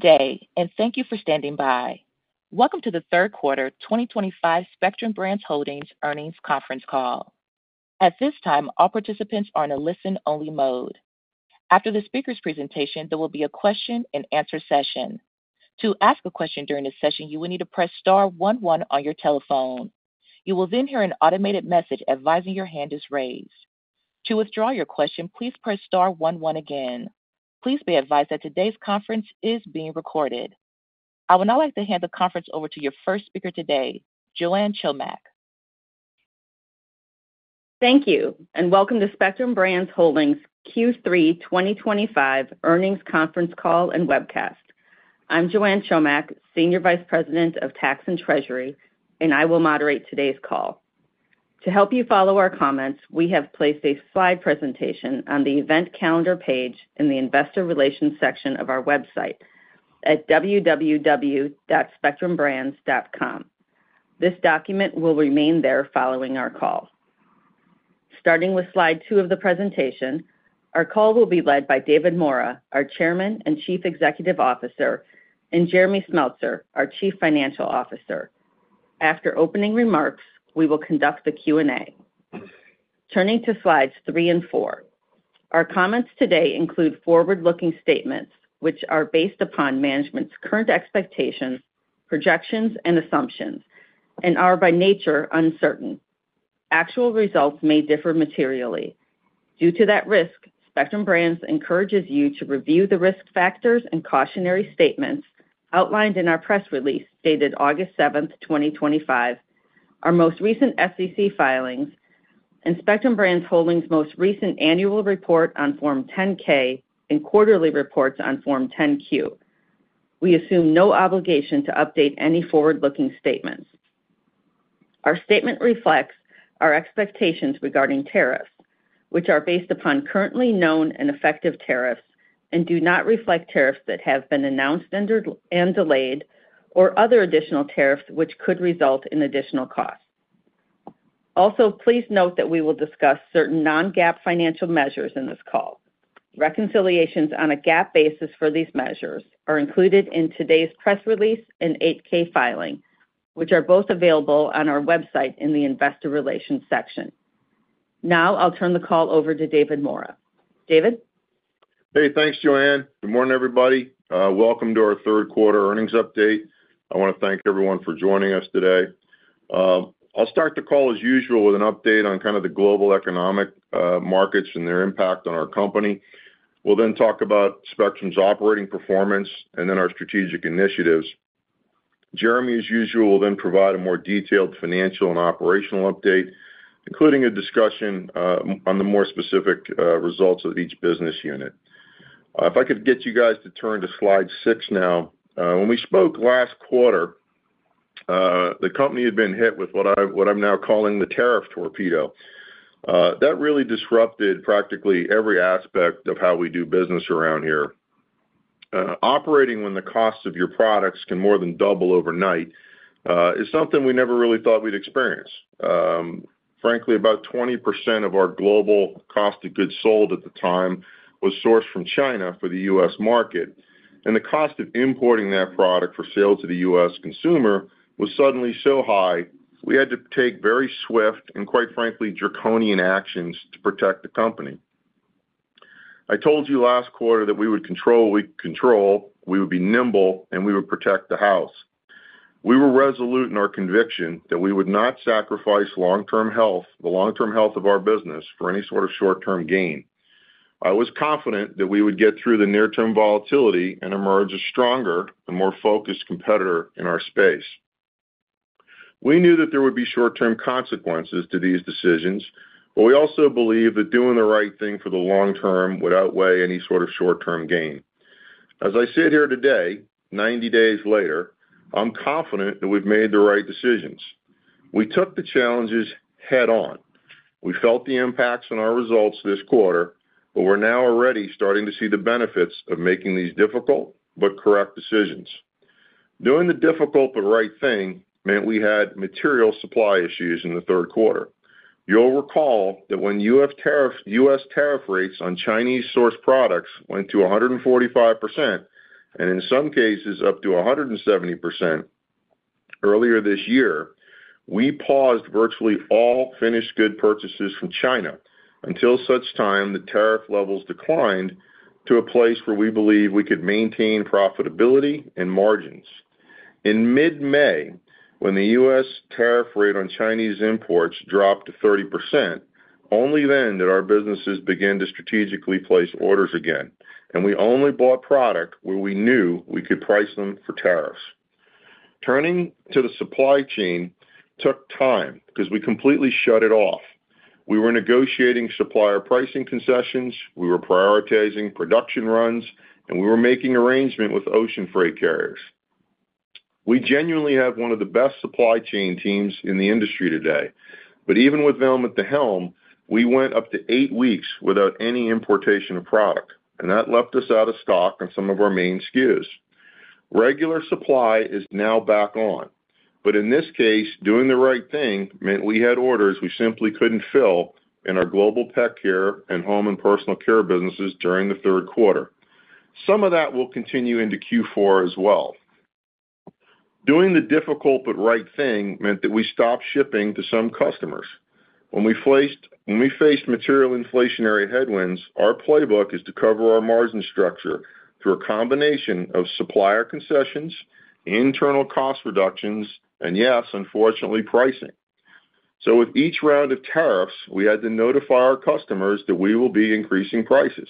Good day, and thank you for standing by. Welcome to the Third Quarter 2025 Spectrum Brands Holdings Earnings Conference Call. At this time, all participants are in a listen-only mode. After the speaker's presentation, there will be a question and answer session. To ask a question during this session, you will need to press star one one on your telephone. You will then hear an automated message advising your hand is raised. To withdraw your question, please press star one one again. Please be advised that today's conference is being recorded. I would now like to hand the conference over to your first speaker today, Joanne Chomiak. Thank you, and welcome to Spectrum Brands Holdings' Q3 2025 Earnings Conference Call and Webcast. I'm Joanne Chomiak, Senior Vice President of Tax & Treasury, and I will moderate today's call. To help you follow our comments, we have placed a slide presentation on the event calendar page in the investor relations section of our website at www.spectrumbrands.com. This document will remain there following our call. Starting with slide two of the presentation, our call will be led by David Maura, our Chairman and Chief Executive Officer, and Jeremy Smeltser, our Chief Financial Officer. After opening remarks, we will conduct the Q&A. Turning to slides three and four, our comments today include forward-looking statements, which are based upon management's current expectations, projections, and assumptions, and are by nature uncertain. Actual results may differ materially. Due to that risk, Spectrum Brands encourages you to review the risk factors and cautionary statements outlined in our press release dated August 7th, 2025, our most recent SEC filings, and Spectrum Brands Holdings' most recent annual report on Form 10-K and quarterly reports on Form 10-Q. We assume no obligation to update any forward-looking statements. Our statement reflects our expectations regarding tariffs, which are based upon currently known and effective tariffs and do not reflect tariffs that have been announced and delayed, or other additional tariffs which could result in additional costs. Also, please note that we will discuss certain non-GAAP financial measures in this call. Reconciliations on a GAAP basis for these measures are included in today's press release and 8-K filing, which are both available on our website in the investor relations section. Now, I'll turn the call over to David Maura. David? Hey, thanks, Joanne. Good morning, everybody. Welcome to our third quarter earnings update. I want to thank everyone for joining us today. I'll start the call as usual with an update on kind of the global economic markets and their impact on our company. We'll then talk about Spectrum's operating performance and then our strategic initiatives. Jeremy, as usual, will then provide a more detailed financial and operational update, including a discussion on the more specific results of each business unit. If I could get you guys to turn to slide six now. When we spoke last quarter, the company had been hit with what I'm now calling the tariff torpedo. That really disrupted practically every aspect of how we do business around here. Operating when the costs of your products can more than double overnight is something we never really thought we'd experience. Frankly, about 20% of our global cost of goods sold at the time was sourced from China for the U.S. market, and the cost of importing that product for sale to the U.S. consumer was suddenly so high we had to take very swift and, quite frankly, draconian actions to protect the company. I told you last quarter that we would control what we could control, we would be nimble, and we would protect the house. We were resolute in our conviction that we would not sacrifice the long-term health of our business for any sort of short-term gain. I was confident that we would get through the near-term volatility and emerge a stronger, more focused competitor in our space. We knew that there would be short-term consequences to these decisions, but we also believed that doing the right thing for the long term would outweigh any sort of short-term gain. As I sit here today, 90 days later, I'm confident that we've made the right decisions. We took the challenges head-on. We felt the impacts on our results this quarter, but we're now already starting to see the benefits of making these difficult but correct decisions. Doing the difficult but right thing meant we had material supply issues in the third quarter. You'll recall that when U.S. tariff rates on Chinese-sourced products went to 145% and in some cases up to 170% earlier this year, we paused virtually all finished good purchases from China until such time the tariff levels declined to a place where we believe we could maintain profitability and margins. In mid-May, when the U.S. tariff rate on Chinese imports dropped to 30%, only then did our businesses begin to strategically place orders again, and we only bought product where we knew we could price them for tariffs. Turning to the supply chain took time because we completely shut it off. We were negotiating supplier pricing concessions, we were prioritizing production runs, and we were making arrangements with ocean freight carriers. We genuinely have one of the best supply chain teams in the industry today, but even with them at the helm, we went up to eight weeks without any importation of product, and that left us out of stock on some of our main SKUs. Regular supply is now back on, but in this case, doing the right thing meant we had orders we simply couldn't fill in our Global Pet Care and Home & Personal Care businesses during the third quarter. Some of that will continue into Q4 as well. Doing the difficult but right thing meant that we stopped shipping to some customers. When we faced material inflationary headwinds, our playbook is to cover our margin structure through a combination of supplier concessions, internal cost reductions, and yes, unfortunately, pricing. With each round of tariffs, we had to notify our customers that we will be increasing prices.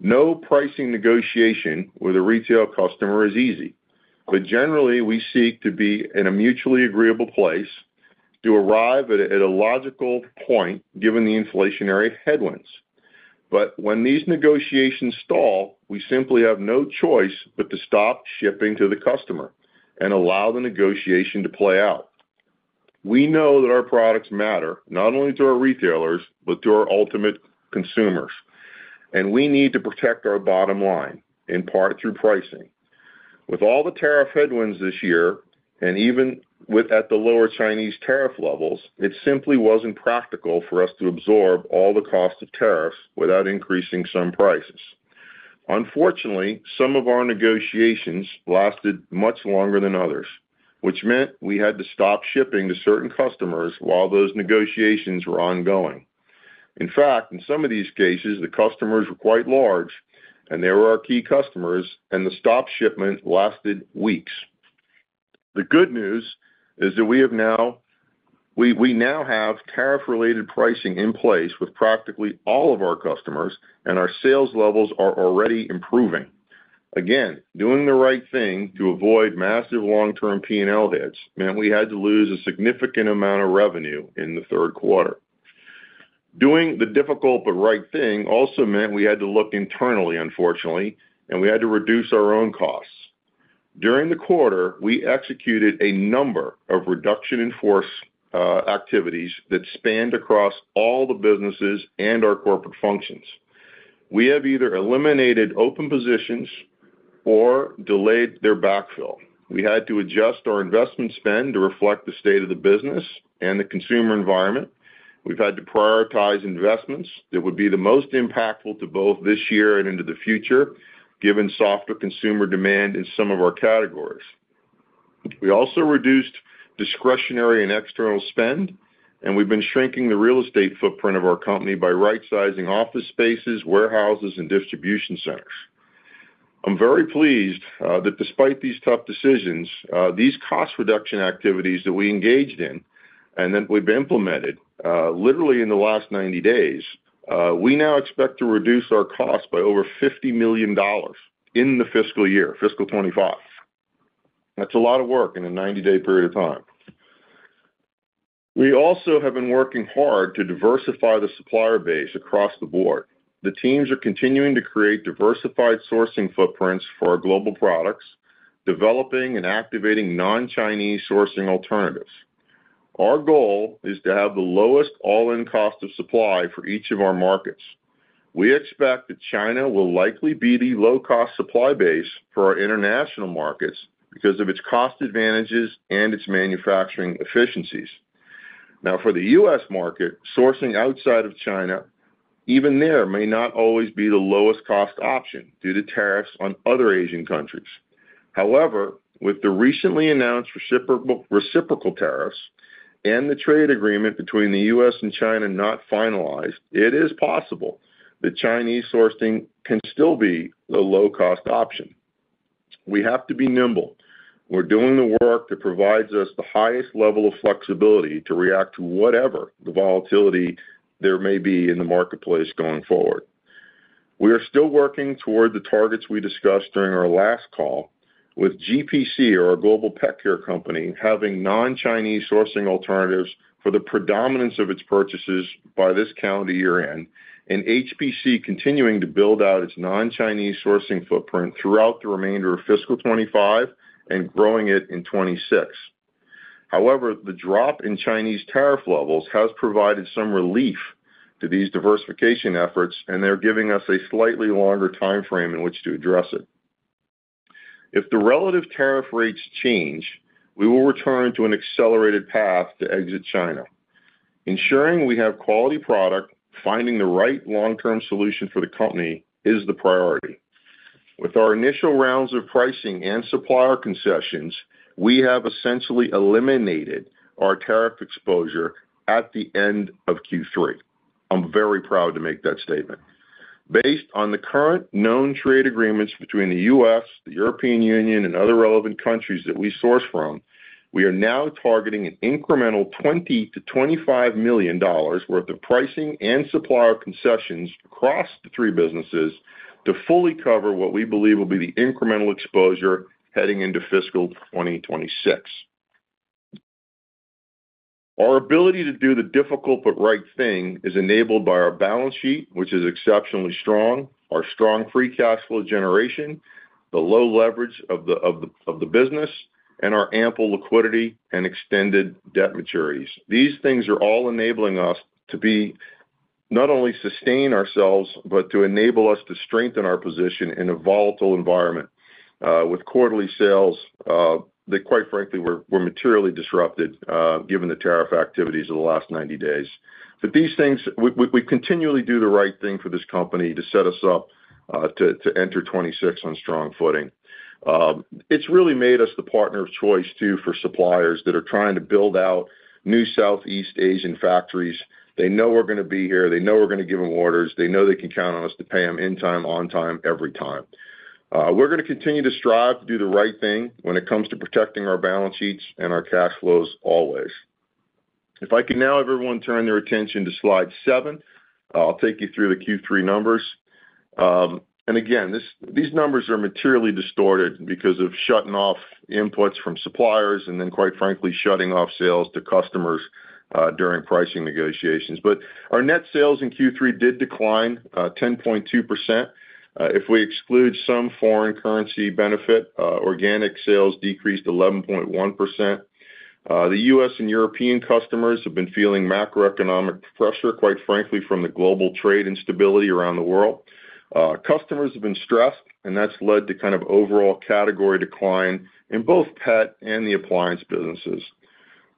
No pricing negotiation with a retail customer is easy, but generally, we seek to be in a mutually agreeable place to arrive at a logical point given the inflationary headwinds. When these negotiations stall, we simply have no choice but to stop shipping to the customer and allow the negotiation to play out. We know that our products matter not only to our retailers but to our ultimate consumers, and we need to protect our bottom line, in part through pricing. With all the tariff headwinds this year, and even with at the lower Chinese tariff levels, it simply wasn't practical for us to absorb all the cost of tariffs without increasing some prices. Unfortunately, some of our negotiations lasted much longer than others, which meant we had to stop shipping to certain customers while those negotiations were ongoing. In fact, in some of these cases, the customers were quite large, and they were our key customers, and the stop shipment lasted weeks. The good news is that we have now tariff-related pricing in place with practically all of our customers, and our sales levels are already improving. Again, doing the right thing to avoid massive long-term P&L hits meant we had to lose a significant amount of revenue in the third quarter. Doing the difficult but right thing also meant we had to look internally, unfortunately, and we had to reduce our own costs. During the quarter, we executed a number of reduction-in-force activities that spanned across all the businesses and our corporate functions. We have either eliminated open positions or delayed their backfill. We had to adjust our investment spend to reflect the state of the business and the consumer environment. We've had to prioritize investments that would be the most impactful to both this year and into the future, given softer consumer demand in some of our categories. We also reduced discretionary and external spend, and we've been shrinking the real estate footprint of our company by rightsizing office spaces, warehouses, and distribution centers. I'm very pleased that despite these tough decisions, these cost reduction activities that we engaged in and that we've implemented literally in the last 90 days, we now expect to reduce our costs by over $50 million in the fiscal year, fiscal 2025. That's a lot of work in a 90-day period of time. We also have been working hard to diversify the supplier base across the board. The teams are continuing to create diversified sourcing footprints for our global products, developing and activating non-Chinese sourcing alternatives. Our goal is to have the lowest all-in cost of supply for each of our markets. We expect that China will likely be the low-cost supply base for our international markets because of its cost advantages and its manufacturing efficiencies. Now, for the U.S. market, sourcing outside of China, even there, may not always be the lowest cost option due to tariffs on other Asian countries. However, with the recently announced reciprocal tariffs and the trade agreement between the U.S. and China not finalized, it is possible that Chinese sourcing can still be the low-cost option. We have to be nimble. We're doing the work that provides us the highest level of flexibility to react to whatever the volatility there may be in the marketplace going forward. We are still working toward the targets we discussed during our last call, with GPC, our Global Pet Care company, having non-Chinese sourcing alternatives for the predominance of its purchases by this calendar year-end, and HPC continuing to build out its non-Chinese sourcing footprint throughout the remainder of fiscal 2025 and growing it in 2026. However, the drop in Chinese tariff levels has provided some relief to these diversification efforts, and they're giving us a slightly longer timeframe in which to address it. If the relative tariff rates change, we will return to an accelerated path to exit China. Ensuring we have quality product, finding the right long-term solution for the company is the priority. With our initial rounds of pricing and supplier concessions, we have essentially eliminated our tariff exposure at the end of Q3. I'm very proud to make that statement. Based on the current known trade agreements between the U.S., the European Union, and other relevant countries that we source from, we are now targeting an incremental $20 million-$25 million worth of pricing and supplier concessions across the three businesses to fully cover what we believe will be the incremental exposure heading into fiscal 2026. Our ability to do the difficult but right thing is enabled by our balance sheet, which is exceptionally strong, our strong free cash flow generation, the low leverage of the business, and our ample liquidity and extended debt maturities. These things are all enabling us to not only sustain ourselves but to enable us to strengthen our position in a volatile environment with quarterly sales that, quite frankly, were materially disrupted given the tariff activities of the last 90 days. We continually do the right thing for this company to set us up to enter 2026 on strong footing. It's really made us the partner of choice, too, for suppliers that are trying to build out new Southeast Asian factories. They know we're going to be here. They know we're going to give them orders. They know they can count on us to pay them in time, on time, every time. We're going to continue to strive to do the right thing when it comes to protecting our balance sheets and our cash flows always. If I can now have everyone turn their attention to slide seven, I'll take you through the Q3 numbers. These numbers are materially distorted because of shutting off inputs from suppliers and then, quite frankly, shutting off sales to customers during pricing negotiations. Our net sales in Q3 did decline 10.2%. If we exclude some foreign currency benefit, organic sales decreased 11.1%. U.S. and European customers have been feeling macroeconomic pressure, quite frankly, from the global trade instability around the world. Customers have been stressed, and that's led to kind of overall category decline in both pet and the appliance businesses.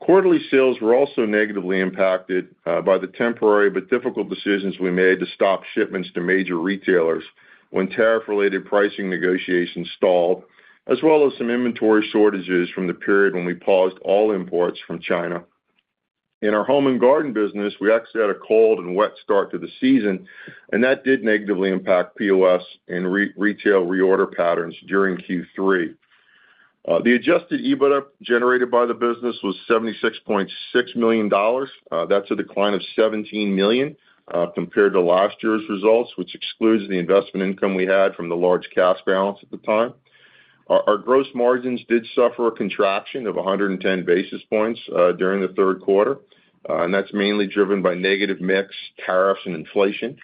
Quarterly sales were also negatively impacted by the temporary but difficult decisions we made to stop shipments to major retailers when tariff-related pricing negotiations stalled, as well as some inventory shortages from the period when we paused all imports from China. In our Home & Garden business, we actually had a cold and wet start to the season, and that did negatively impact POS and retail reorder patterns during Q3. The adjusted EBITDA generated by the business was $76.6 million. That's a decline of $17 million compared to last year's results, which excludes the investment income we had from the large cash balance at the time. Our gross margins did suffer a contraction of 110 basis points during the third quarter, and that's mainly driven by negative mix, tariffs, and inflation.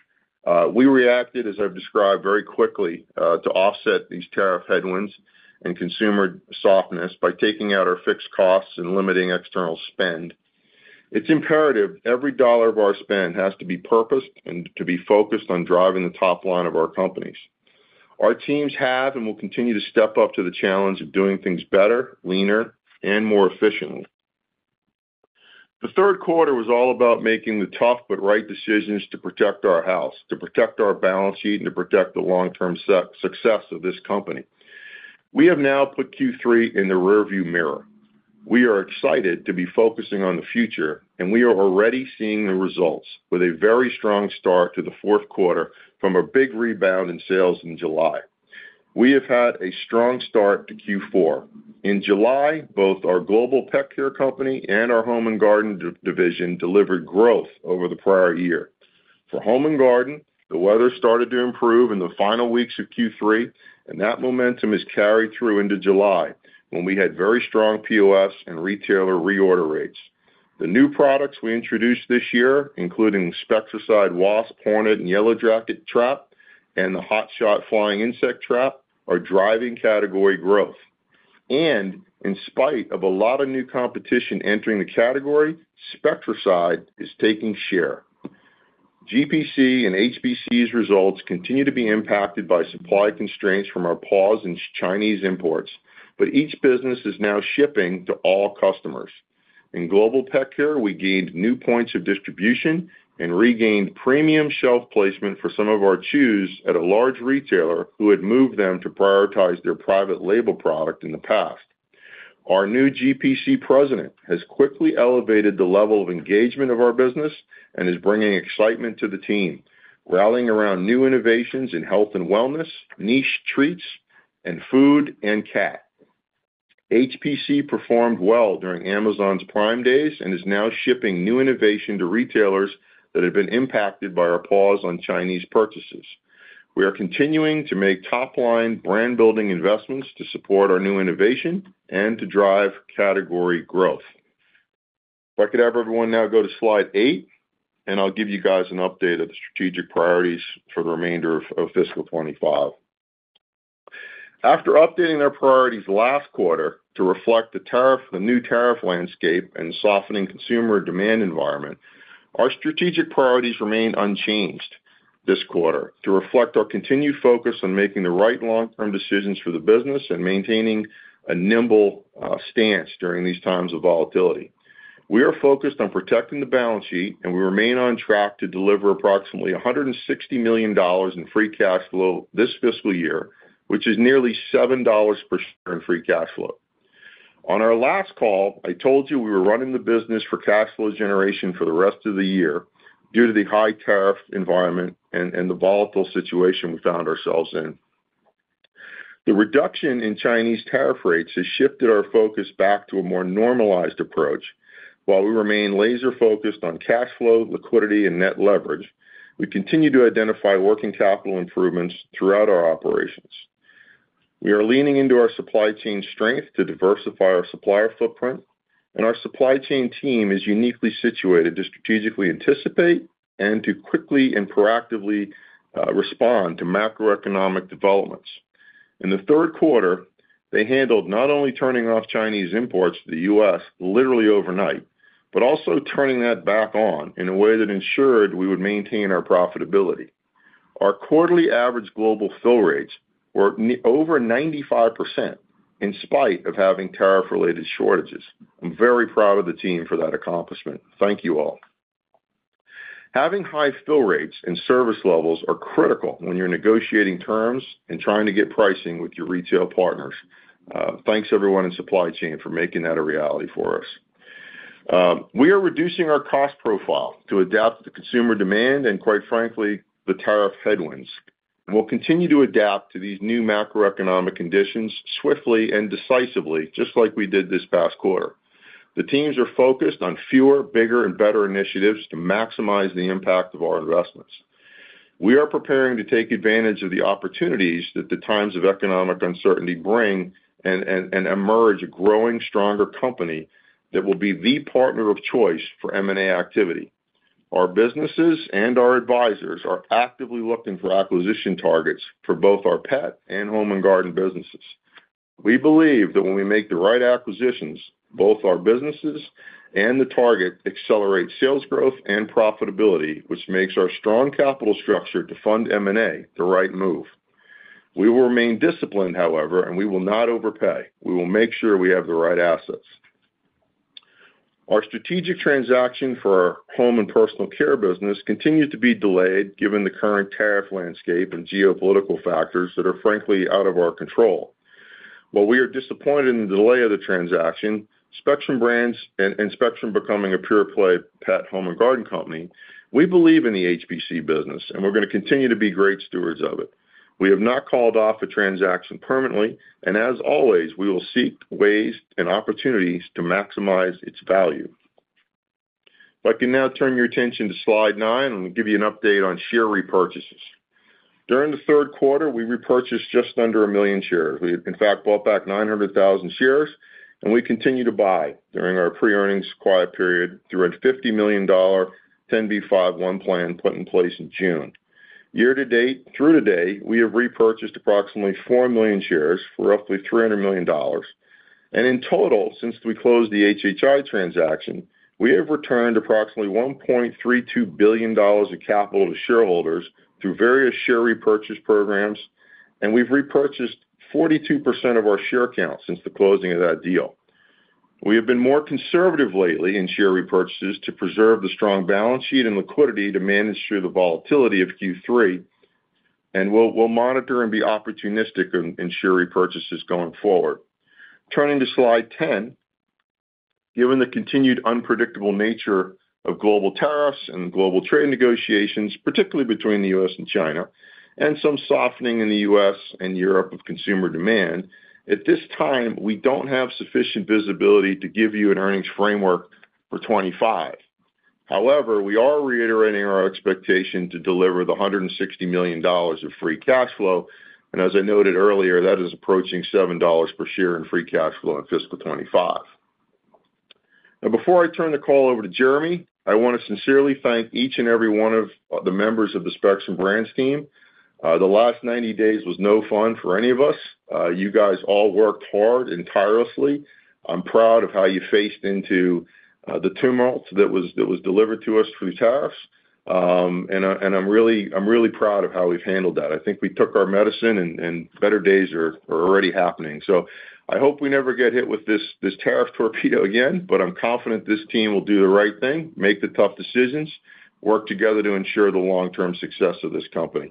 We reacted, as I've described, very quickly to offset these tariff headwinds and consumer softness by taking out our fixed costs and limiting external spend. It's imperative every dollar of our spend has to be purposed and to be focused on driving the top line of our companies. Our teams have and will continue to step up to the challenge of doing things better, leaner, and more efficiently. The third quarter was all about making the tough but right decisions to protect our house, to protect our balance sheet, and to protect the long-term success of this company. We have now put Q3 in the rearview mirror. We are excited to be focusing on the future, and we are already seeing the results with a very strong start to the fourth quarter from a big rebound in sales in July. We have had a strong start to Q4. In July, both our Global Pet Care company and our Home & Garden division delivered growth over the prior year. For Home & Garden, the weather started to improve in the final weeks of Q3, and that momentum has carried through into July when we had very strong POS and retailer reorder rates. The new products we introduced this year, including Spectracide Wasp, Hornet & Yellowjacket Trap, and the Hot Shot Flying Insect Trap, are driving category growth. In spite of a lot of new competition entering the category, Spectracide is taking share. GPC and HPC's results continue to be impacted by supply constraints from our pause in Chinese imports, but each business is now shipping to all customers. In Global Pet Care, we gained new points of distribution and regained premium shelf placement for some of our chews at a large retailer who had moved them to prioritize their private label product in the past. Our new GPC President has quickly elevated the level of engagement of our business and is bringing excitement to the team, rallying around new innovations in health and wellness, niche treats, and food and cat. HPC performed well during Amazon's Prime Days and is now shipping new innovation to retailers that have been impacted by our pause on Chinese purchases. We are continuing to make top-line brand-building investments to support our new innovation and to drive category growth. If I could have everyone now go to slide eight, I'll give you guys an update of the strategic priorities for the remainder of fiscal 2025. After updating our priorities last quarter to reflect the new tariff landscape and softening consumer demand environment, our strategic priorities remain unchanged this quarter to reflect our continued focus on making the right long-term decisions for the business and maintaining a nimble stance during these times of volatility. We are focused on protecting the balance sheet, and we remain on track to deliver approximately $160 million in free cash flow this fiscal year, which is nearly $7 per share in free cash flow. On our last call, I told you we were running the business for cash flow generation for the rest of the year due to the high tariff environment and the volatile situation we found ourselves in. The reduction in Chinese tariff rates has shifted our focus back to a more normalized approach. While we remain laser-focused on cash flow, liquidity, and net leverage, we continue to identify working capital improvements throughout our operations. We are leaning into our supply chain strength to diversify our supplier footprint, and our supply chain team is uniquely situated to strategically anticipate and to quickly and proactively respond to macroeconomic developments. In the third quarter, they handled not only turning off Chinese imports to the U.S. literally overnight, but also turning that back on in a way that ensured we would maintain our profitability. Our quarterly average global fill rates were over 95% in spite of having tariff-related shortages. I'm very proud of the team for that accomplishment. Thank you all. Having high fill rates and service levels are critical when you're negotiating terms and trying to get pricing with your retail partners. Thanks, everyone in supply chain, for making that a reality for us. We are reducing our cost profile to adapt to consumer demand and, quite frankly, the tariff headwinds. We'll continue to adapt to these new macroeconomic conditions swiftly and decisively, just like we did this past quarter. The teams are focused on fewer, bigger, and better initiatives to maximize the impact of our investments. We are preparing to take advantage of the opportunities that the times of economic uncertainty bring and emerge a growing, stronger company that will be the partner of choice for M&A activity. Our businesses and our advisors are actively looking for acquisition targets for both our Pet and Home & Garden businesses. We believe that when we make the right acquisitions, both our businesses and the target accelerate sales growth and profitability, which makes our strong capital structure to fund M&A the right move. We will remain disciplined, however, and we will not overpay. We will make sure we have the right assets. Our strategic transaction for our Home & Personal Care business continues to be delayed given the current tariff landscape and geopolitical factors that are, frankly, out of our control. While we are disappointed in the delay of the transaction, Spectrum Brands and Spectrum becoming a pure-play Pet, Home & Garden company, we believe in the HPC business, and we're going to continue to be great stewards of it. We have not called off the transaction permanently, and as always, we will seek ways and opportunities to maximize its value. If I can now turn your attention to slide nine, I'm going to give you an update on share repurchases. During the third quarter, we repurchased just under 1 million shares. We, in fact, bought back 900,000 shares, and we continue to buy during our pre-earnings quiet period through our $50 million 10(b)(5)(1) plan put in place in June. Year to date, through today, we have repurchased approximately 4 million shares for roughly $300 million, and in total, since we closed the HHI transaction, we have returned approximately $1.32 billion of capital to shareholders through various share repurchase programs, and we've repurchased 42% of our share count since the closing of that deal. We have been more conservative lately in share repurchases to preserve the strong balance sheet and liquidity to manage through the volatility of Q3, and we'll monitor and be opportunistic in share repurchases going forward. Turning to slide 10, given the continued unpredictable nature of global tariffs and global trade negotiations, particularly between the U.S. and China, and some softening in the U.S. and Europe of consumer demand, at this time, we don't have sufficient visibility to give you an earnings framework for 2025. However, we are reiterating our expectation to deliver the $160 million of free cash flow, and as I noted earlier, that is approaching $7 per share in free cash flow in fiscal 2025. Now, before I turn the call over to Jeremy, I want to sincerely thank each and every one of the members of the Spectrum Brands team. The last 90 days was no fun for any of us. You guys all worked hard and tirelessly. I'm proud of how you faced into the tumult that was delivered to us through tariffs, and I'm really proud of how we've handled that. I think we took our medicine, and better days are already happening. I hope we never get hit with this tariff torpedo again, but I'm confident this team will do the right thing, make the tough decisions, work together to ensure the long-term success of this company.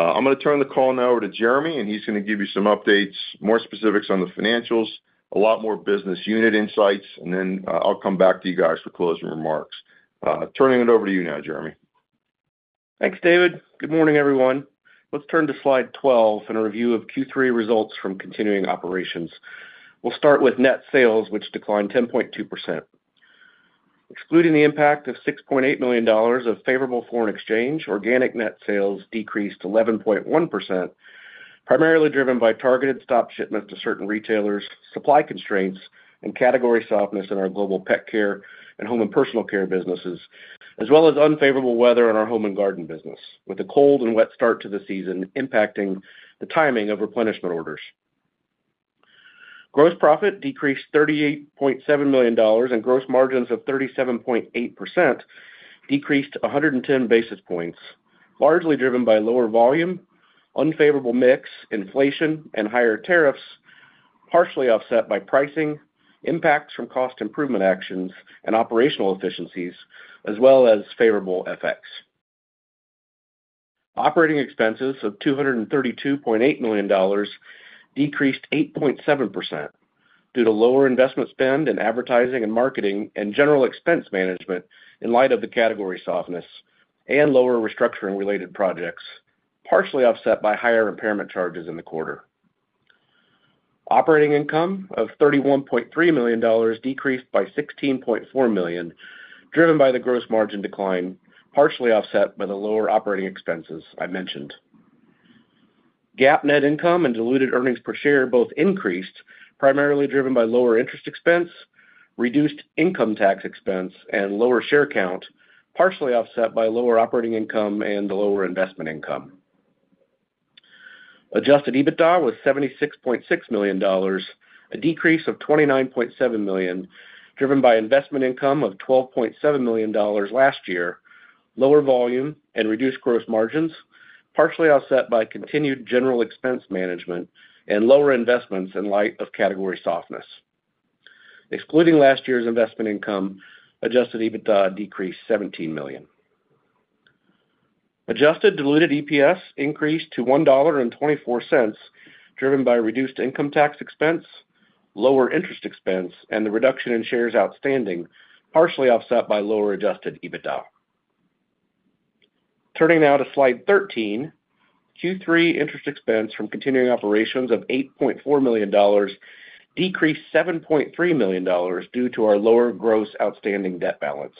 I'm going to turn the call now over to Jeremy, and he's going to give you some updates, more specifics on the financials, a lot more business unit insights, and then I'll come back to you guys for closing remarks. Turning it over to you now, Jeremy. Thanks, David. Good morning, everyone. Let's turn to slide 12 and a review of Q3 results from continuing operations. We'll start with net sales, which declined 10.2%. Excluding the impact of $6.8 million of favorable foreign exchange, organic net sales decreased 11.1%, primarily driven by targeted stop shipments to certain retailers, supply constraints, and category softness in our Global Pet Care and Home & Personal Care businesses, as well as unfavorable weather in our Home & Garden business, with a cold and wet start to the season impacting the timing of replenishment orders. Gross profit decreased $38.7 million, and gross margins of 37.8% decreased 110 basis points, largely driven by lower volume, unfavorable mix, inflation, and higher tariffs, partially offset by pricing, impacts from cost improvement actions, and operational efficiencies, as well as favorable effects. Operating expenses of $232.8 million decreased 8.7% due to lower investment spend in advertising and marketing and general expense management in light of the category softness and lower restructuring-related projects, partially offset by higher impairment charges in the quarter. Operating income of $31.3 million decreased by $16.4 million, driven by the gross margin decline, partially offset by the lower operating expenses I mentioned. GAAP net income and diluted earnings per share both increased, primarily driven by lower interest expense, reduced income tax expense, and lower share count, partially offset by lower operating income and lower investment income. Adjusted EBITDA was $76.6 million, a decrease of $29.7 million, driven by investment income of $12.7 million last year, lower volume, and reduced gross margins, partially offset by continued general expense management and lower investments in light of category softness. Excluding last year's investment income, adjusted EBITDA decreased $17 million. Adjusted diluted EPS increased to $1.24, driven by reduced income tax expense, lower interest expense, and the reduction in shares outstanding, partially offset by lower adjusted EBITDA. Turning now to slide 13, Q3 interest expense from continuing operations of $8.4 million decreased $7.3 million due to our lower gross outstanding debt balance.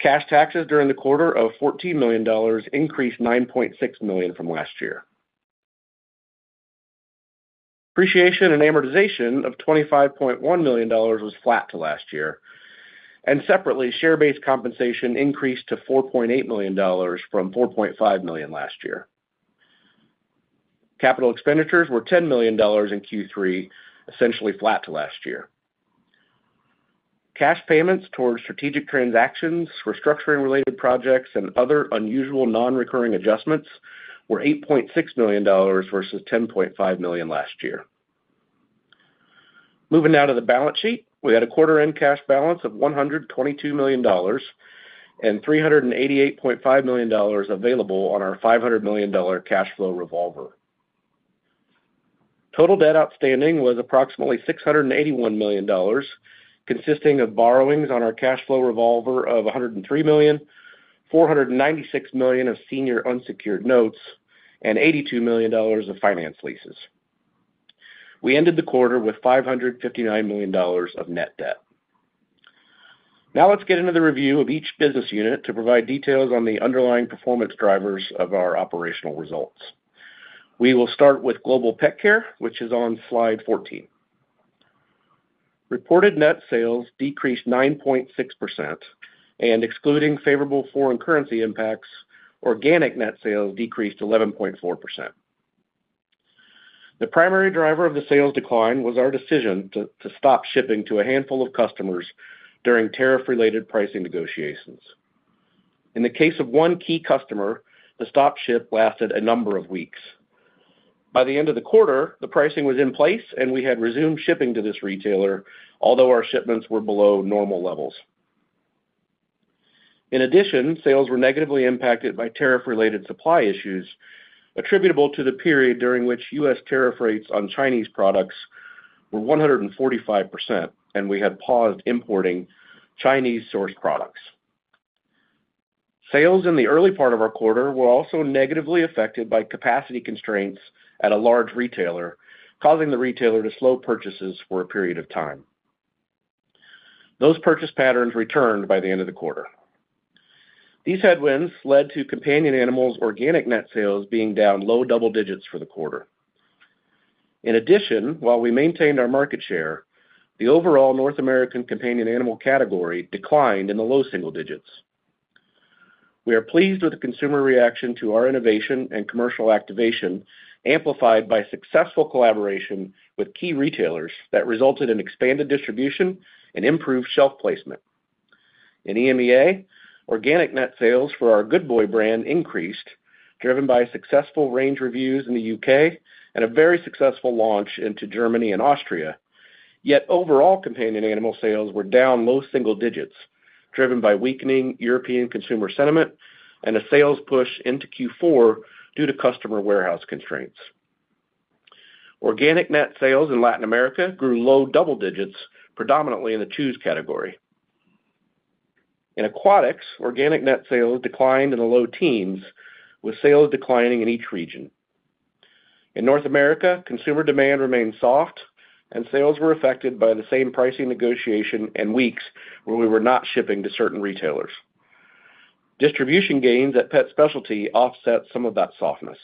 Cash taxes during the quarter of $14 million increased $9.6 million from last year. Appreciation and amortization of $25.1 million was flat to last year, and separately, share-based compensation increased to $4.8 million from $4.5 million last year. Capital expenditures were $10 million in Q3, essentially flat to last year. Cash payments towards strategic transactions, restructuring-related projects, and other unusual non-recurring adjustments were $8.6 million versus $10.5 million last year. Moving now to the balance sheet, we had a quarter-end cash balance of $122 million and $388.5 million available on our $500 million cash flow revolver. Total debt outstanding was approximately $681 million, consisting of borrowings on our cash flow revolver of $103 million, $496 million of senior unsecured notes, and $82 million of finance leases. We ended the quarter with $559 million of net debt. Now let's get into the review of each business unit to provide details on the underlying performance drivers of our operational results. We will start with Global Pet Care, which is on slide 14. Reported net sales decreased 9.6%, and excluding favorable foreign currency impacts, organic net sales decreased 11.4%. The primary driver of the sales decline was our decision to stop shipping to a handful of customers during tariff-related pricing negotiations. In the case of one key customer, the stop ship lasted a number of weeks. By the end of the quarter, the pricing was in place, and we had resumed shipping to this retailer, although our shipments were below normal levels. In addition, sales were negatively impacted by tariff-related supply issues attributable to the period during which U.S. tariff rates on Chinese products were 145%, and we had paused importing Chinese-sourced products. Sales in the early part of our quarter were also negatively affected by capacity constraints at a large retailer, causing the retailer to slow purchases for a period of time. Those purchase patterns returned by the end of the quarter. These headwinds led to companion animals' organic net sales being down low double digits for the quarter. In addition, while we maintained our market share, the overall North American companion animal category declined in the low single digits. We are pleased with the consumer reaction to our innovation and commercial activation, amplified by successful collaboration with key retailers that resulted in expanded distribution and improved shelf placement. In EMEA, organic net sales for our Good Boy brand increased, driven by successful range reviews in the U.K. and a very successful launch into Germany and Austria. Yet overall, companion animal sales were down low single digits, driven by weakening European consumer sentiment and a sales push into Q4 due to customer warehouse constraints. Organic net sales in Latin America grew low double digits, predominantly in the chews category. In aquatics, organic net sales declined in the low teens, with sales declining in each region. In North America, consumer demand remained soft, and sales were affected by the same pricing negotiation and weeks where we were not shipping to certain retailers. Distribution gains at pet specialty offset some of that softness.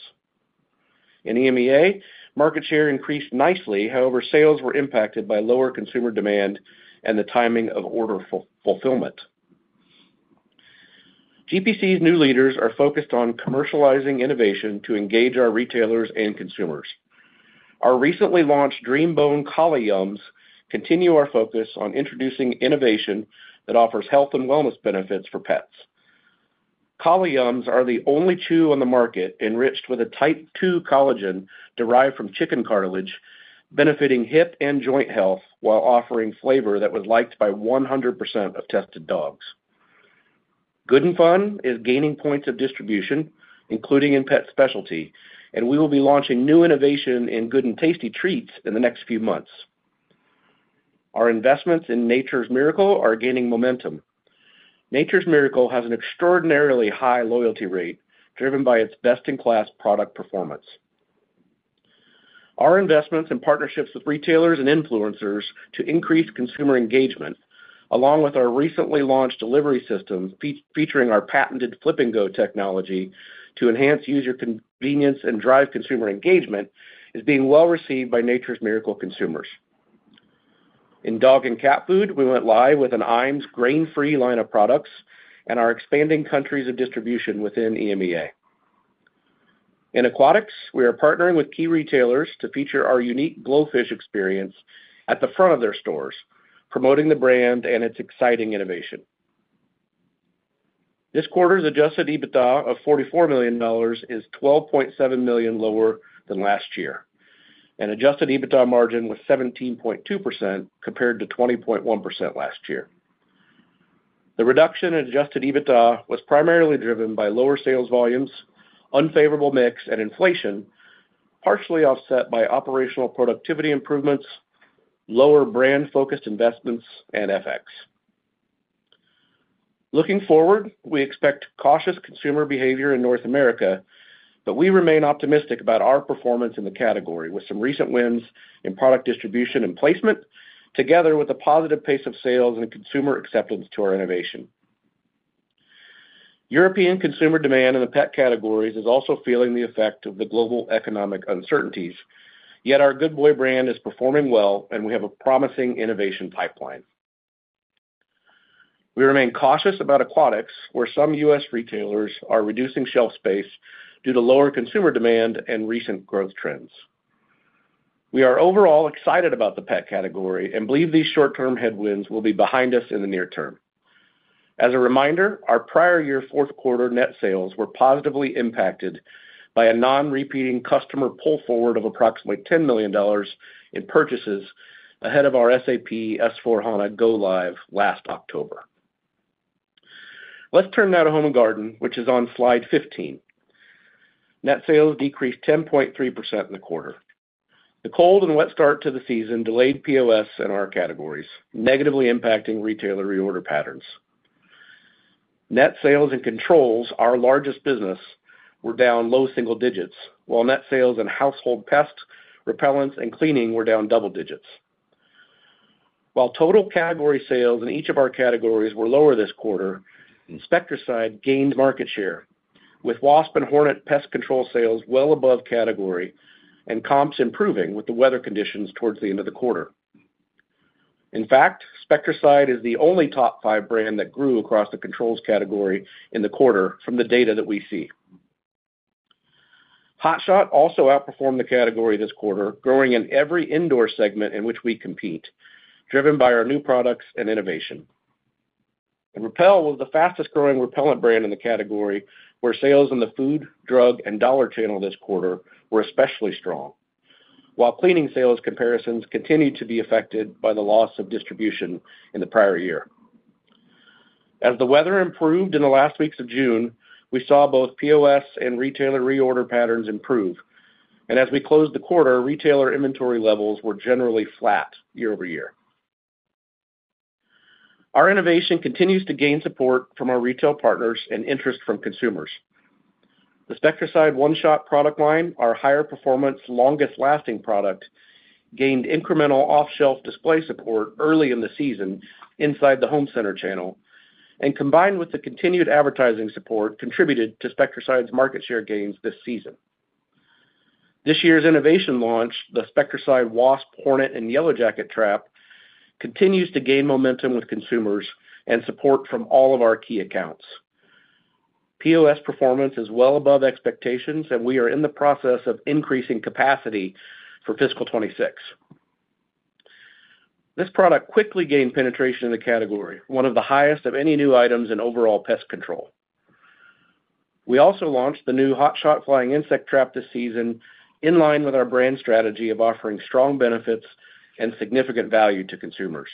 In EMEA, market share increased nicely, however, sales were impacted by lower consumer demand and the timing of order fulfillment. GPC's new leaders are focused on commercializing innovation to engage our retailers and consumers. Our recently launched DreamBone CollaYUMS continue our focus on introducing innovation that offers health and wellness benefits for pets. CollaYUMS are the only chew on the market enriched with a type 2 collagen derived from chicken cartilage, benefiting hip and joint health while offering flavor that was liked by 100% of tested dogs. Good 'n Fun is gaining points of distribution, including in pet specialty, and we will be launching new innovation in Good 'n Tasty treats in the next few months. Our investments in Nature's Miracle are gaining momentum. Nature's Miracle has an extraordinarily high loyalty rate, driven by its best-in-class product performance. Our investments and partnerships with retailers and influencers to increase consumer engagement, along with our recently launched delivery system featuring our patented Flip & Go technology to enhance user convenience and drive consumer engagement, is being well received by Nature's Miracle consumers. In dog and cat food, we went live with an Iams grain-free line of products and are expanding countries of distribution within EMEA. In aquatics, we are partnering with key retailers to feature our unique blowfish experience at the front of their stores, promoting the brand and its exciting innovation. This quarter's adjusted EBITDA of $44 million is $12.7 million lower than last year, and adjusted EBITDA margin was 17.2% compared to 20.1% last year. The reduction in adjusted EBITDA was primarily driven by lower sales volumes, unfavorable mix, and inflation, partially offset by operational productivity improvements, lower brand-focused investments, and effects. Looking forward, we expect cautious consumer behavior in North America, but we remain optimistic about our performance in the category with some recent wins in product distribution and placement, together with a positive pace of sales and consumer acceptance to our innovation. European consumer demand in the pet categories is also feeling the effect of the global economic uncertainties, yet our Good Boy brand is performing well, and we have a promising innovation pipeline. We remain cautious about aquatics, where some U.S. retailers are reducing shelf space due to lower consumer demand and recent growth trends. We are overall excited about the pet category and believe these short-term headwinds will be behind us in the near term. As a reminder, our prior year's fourth quarter net sales were positively impacted by a non-repeating customer pull forward of approximately $10 million in purchases ahead of our SAP S/4HANA go-live last October. Let's turn now to Home & Garden, which is on slide 15. Net sales decreased 10.3% in the quarter. The cold and wet start to the season delayed POS in our categories, negatively impacting retailer reorder patterns. Net sales in controls, our largest business, were down low single digits, while net sales in household pests, repellents, and cleaning were down double digits. While total category sales in each of our categories were lower this quarter, Spectracide gained market share, with Wasp and Hornet pest control sales well above category and comps improving with the weather conditions towards the end of the quarter. In fact, Spectracide is the only top five brand that grew across the controls category in the quarter from the data that we see. Hot Shot also outperformed the category this quarter, growing in every indoor segment in which we compete, driven by our new products and innovation. Repel was the fastest growing repellent brand in the category, where sales in the food, drug, and dollar channel this quarter were especially strong, while cleaning sales comparisons continued to be affected by the loss of distribution in the prior year. As the weather improved in the last weeks of June, we saw both POS and retailer reorder patterns improve, and as we closed the quarter, retailer inventory levels were generally flat year-over-year. Our innovation continues to gain support from our retail partners and interest from consumers. The Spectracide One Shot product line, our higher performance, longest-lasting product, gained incremental off-shelf display support early in the season inside the home center channel, and combined with the continued advertising support, contributed to Spectracide's market share gains this season. This year's innovation launch, the Spectracide Wasp, Hornet & Yellowjacket Trap, continues to gain momentum with consumers and support from all of our key accounts. POS performance is well above expectations, and we are in the process of increasing capacity for fiscal 2026. This product quickly gained penetration in the category, one of the highest of any new items in overall pest control. We also launched the new Hot Shot Flying Insect Trap this season, in line with our brand strategy of offering strong benefits and significant value to consumers.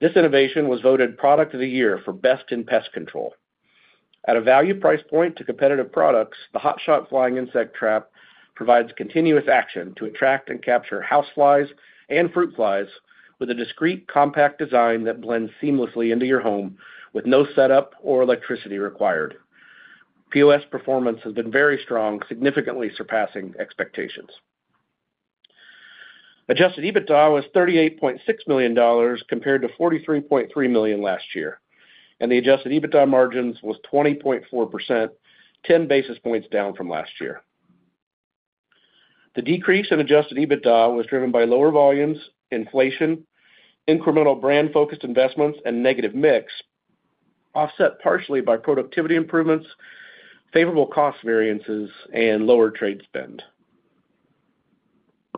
This innovation was voted Product of the Year for best in pest control. At a value price point to competitive products, the Hot Shot Flying Insect Trap provides continuous action to attract and capture house flies and fruit flies with a discreet, compact design that blends seamlessly into your home, with no setup or electricity required. POS performance has been very strong, significantly surpassing expectations. Adjusted EBITDA was $38.6 million compared to $43.3 million last year, and the adjusted EBITDA margins were 20.4%, 10 basis points down from last year. The decrease in adjusted EBITDA was driven by lower volumes, inflation, incremental brand-focused investments, and negative mix, offset partially by productivity improvements, favorable cost variances, and lower trade spend.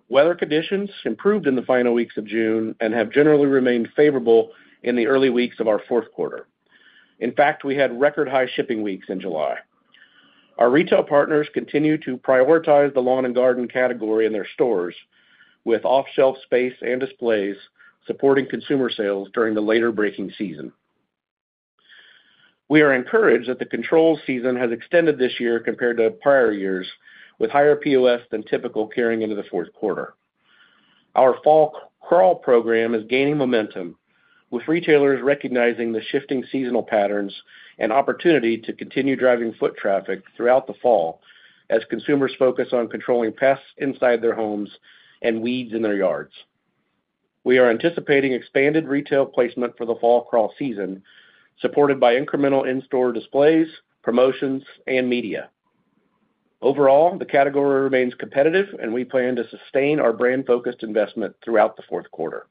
Weather conditions improved in the final weeks of June and have generally remained favorable in the early weeks of our fourth quarter. In fact, we had record high shipping weeks in July. Our retail partners continue to prioritize the lawn and garden category in their stores, with off-shelf space and displays supporting consumer sales during the later breaking season. We are encouraged that the controls season has extended this year compared to prior years, with higher POS than typical carrying into the fourth quarter. Our fall crawl program is gaining momentum, with retailers recognizing the shifting seasonal patterns and opportunity to continue driving foot traffic throughout the fall as consumers focus on controlling pests inside their homes and weeds in their yards. We are anticipating expanded retail placement for the fall crawl season, supported by incremental in-store displays, promotions, and media. Overall, the category remains competitive, and we plan to sustain our brand-focused investment throughout the fourth quarter.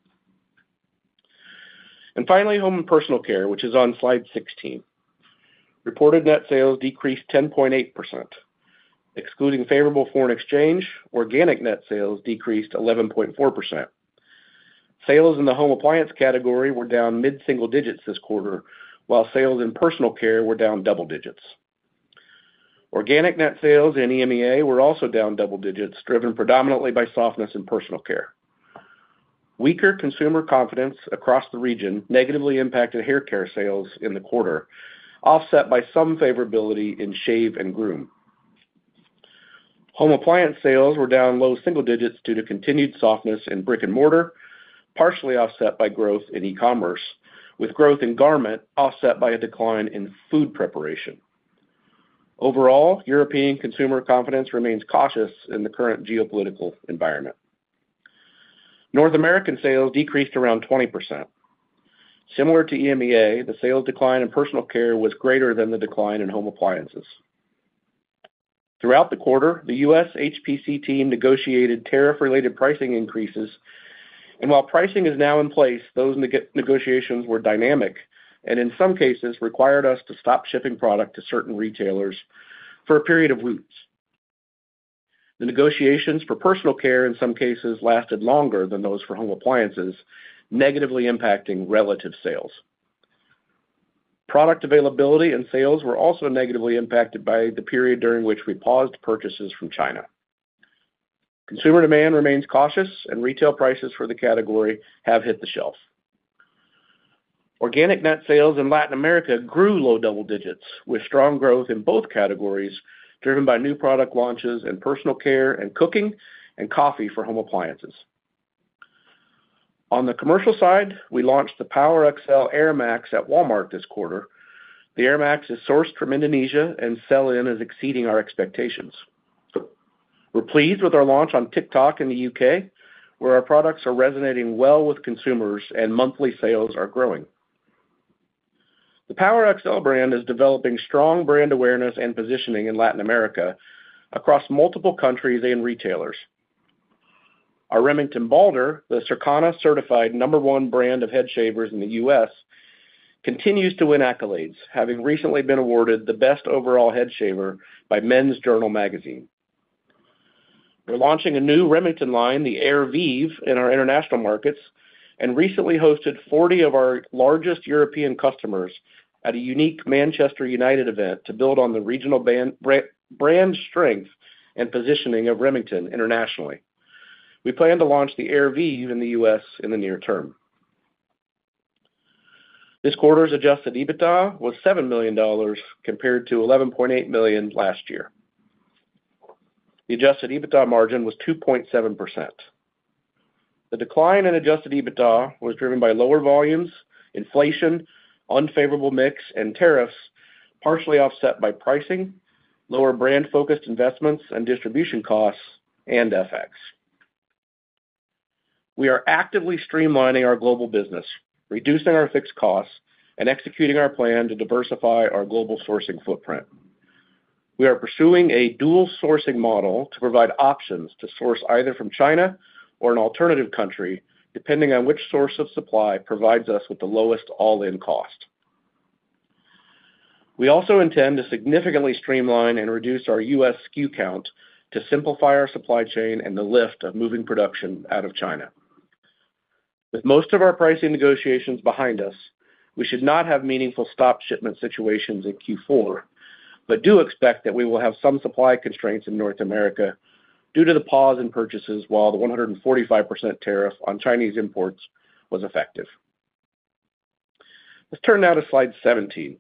Finally, Home & Personal Care, which is on slide 16. Reported net sales decreased 10.8%. Excluding favorable foreign exchange, organic net sales decreased 11.4%. Sales in the small kitchen appliances category were down mid-single digits this quarter, while sales in personal care were down double digits. Organic net sales in EMEA were also down double digits, driven predominantly by softness in personal care. Weaker consumer confidence across the region negatively impacted hair care sales in the quarter, offset by some favorability in shave and groom. Small kitchen appliances sales were down low single digits due to continued softness in brick and mortar, partially offset by growth in e-commerce, with growth in garment offset by a decline in food preparation. Overall, European consumer confidence remains cautious in the current geopolitical environment. North American sales decreased around 20%. Similar to EMEA, the sales decline in personal care was greater than the decline in small kitchen appliances. Throughout the quarter, the U.S. HPC team negotiated tariff-related pricing increases, and while pricing is now in place, those negotiations were dynamic and in some cases required us to stop shipping product to certain retailers for a period of weeks. The negotiations for personal care in some cases lasted longer than those for small kitchen appliances, negatively impacting relative sales. Product availability and sales were also negatively impacted by the period during which we paused purchases from China. Consumer demand remains cautious, and retail prices for the category have hit the shelf. Organic net sales in Latin America grew low double digits, with strong growth in both categories, driven by new product launches in personal care and cooking and coffee for small kitchen appliances. On the commercial side, we launched the PowerXL AIRMAX at Walmart this quarter. The AIRMAX is sourced from Indonesia and sell-in is exceeding our expectations. We're pleased with our launch on TikTok in the U.K., where our products are resonating well with consumers and monthly sales are growing. The PowerXL brand is developing strong brand awareness and positioning in Latin America across multiple countries and retailers. Our REMINGTON Balder, the Circana-certified number one brand of head shavers in the U.S., continues to win accolades, having recently been awarded the best overall head shaver by Men's Journal magazine. We're launching a new REMINGTON line, the AIRvive, in our international markets and recently hosted 40 of our largest European customers at a unique Manchester United event to build on the regional brand strength and positioning of REMINGTON internationally. We plan to launch the AIRvive in the U.S. in the near term. This quarter's adjusted EBITDA was $7 million compared to $11.8 million last year. The adjusted EBITDA margin was 2.7%. The decline in adjusted EBITDA was driven by lower volumes, inflation, unfavorable mix, and tariffs, partially offset by pricing, lower brand-focused investments and distribution costs, and effects. We are actively streamlining our global business, reducing our fixed costs, and executing our plan to diversify our global sourcing footprint. We are pursuing a dual sourcing model to provide options to source either from China or an alternative country, depending on which source of supply provides us with the lowest all-in cost. We also intend to significantly streamline and reduce our U.S. SKU count to simplify our supply chain and the lift of moving production out of China. With most of our pricing negotiations behind us, we should not have meaningful stop shipment situations in Q4, but do expect that we will have some supply constraints in North America due to the pause in purchases while the 145% tariff on Chinese imports was effective. Let's turn now to slide 17.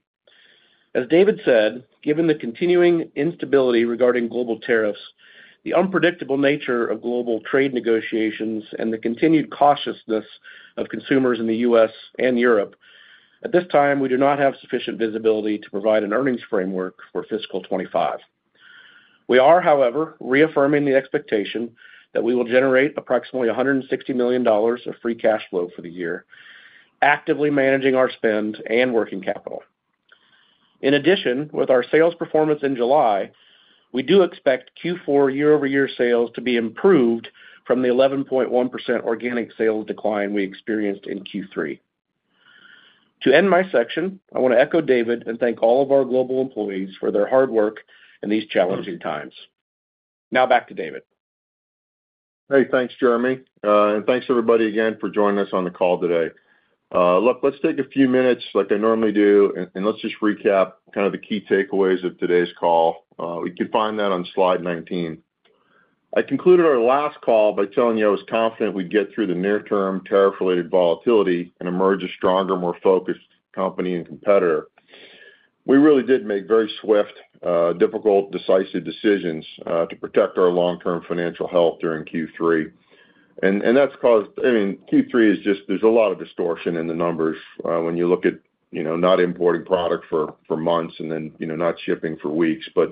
As David said, given the continuing instability regarding global tariffs, the unpredictable nature of global trade negotiations, and the continued cautiousness of consumers in the U.S. and Europe, at this time we do not have sufficient visibility to provide an earnings framework for fiscal 2025. We are, however, reaffirming the expectation that we will generate approximately $160 million of free cash flow for the year, actively managing our spend and working capital. In addition, with our sales performance in July, we do expect Q4 year-over-year sales to be improved from the 11.1% organic sales decline we experienced in Q3. To end my section, I want to echo David and thank all of our global employees for their hard work in these challenging times. Now back to David. Hey, thanks, Jeremy, and thanks everybody again for joining us on the call today. Look, let's take a few minutes like I normally do, and let's just recap kind of the key takeaways of today's call. We can find that on slide 19. I concluded our last call by telling you I was confident we'd get through the near-term tariff-related volatility and emerge a stronger, more focused company and competitor. We really did make very swift, difficult, decisive decisions to protect our long-term financial health during Q3, and that's caused, I mean, Q3 is just, there's a lot of distortion in the numbers when you look at, you know, not importing product for months and then, you know, not shipping for weeks, but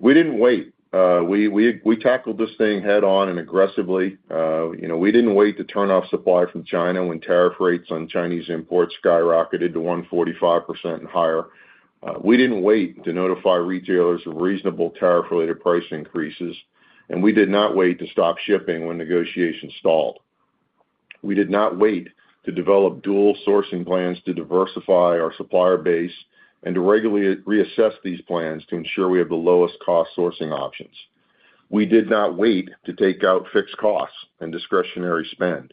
we didn't wait. We tackled this thing head-on and aggressively. You know, we didn't wait to turn off supply from China when tariff rates on Chinese imports skyrocketed to 145% and higher. We didn't wait to notify retailers of reasonable tariff-related price increases, and we did not wait to stop shipping when negotiations stalled. We did not wait to develop dual sourcing plans to diversify our supplier base and to regularly reassess these plans to ensure we have the lowest cost sourcing options. We did not wait to take out fixed costs and discretionary spend.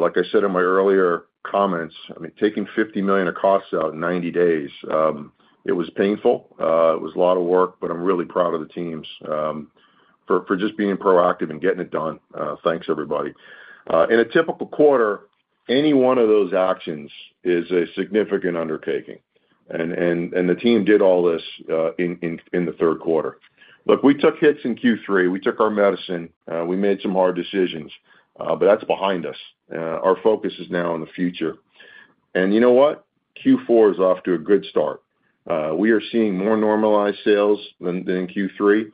Like I said in my earlier comments, I mean, taking $50 million of costs out in 90 days, it was painful. It was a lot of work, but I'm really proud of the teams for just being proactive and getting it done. Thanks, everybody. In a typical quarter, any one of those actions is a significant undertaking, and the team did all this in the third quarter. Look, we took hits in Q3. We took our medicine. We made some hard decisions, but that's behind us. Our focus is now on the future, and you know what? Q4 is off to a good start. We are seeing more normalized sales than Q3.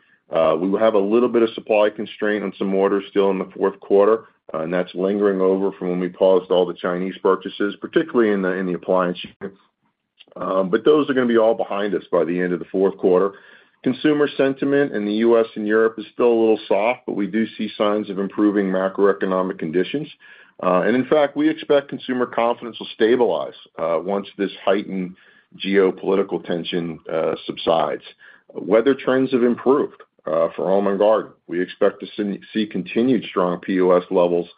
We will have a little bit of supply constraint on some orders still in the fourth quarter, and that's lingering over from when we paused all the Chinese purchases, particularly in the appliance units, but those are going to be all behind us by the end of the fourth quarter. Consumer sentiment in the U.S. and Europe is still a little soft, but we do see signs of improving macroeconomic conditions, and in fact, we expect consumer confidence will stabilize once this heightened geopolitical tension subsides. Weather trends have improved for Home & Garden. We expect to see continued strong POS levels